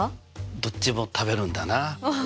どっちも食べるんだな。